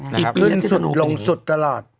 ที่ขึ้นสุดลงสุดตลอด